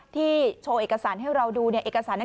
ที่โชว์เอกสารให้เราดูเอกสาร